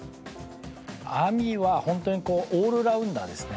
ＡＭＩは本当にオールラウンダーですね。